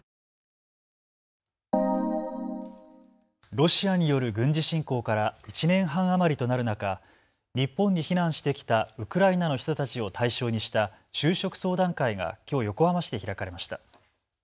ロシアによる軍事侵攻から１年半余りとなる中、日本に避難してきたウクライナの人たちを対象にした就職相談会がきょう横浜市で開かれました。